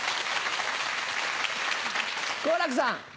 好楽さん。